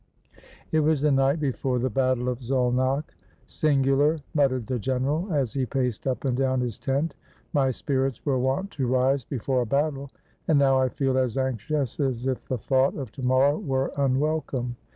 ] It was the night before the battle of Szolnok. *' Singular !" muttered the general, as he paced up and down his tent; "my spirits were wont to rise before a bat tle, and now I feel as anxious as if the thought of to morrow were unwelcome